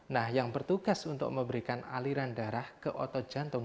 nah yang bertugas untuk memberikan aliran darah ke otot jantung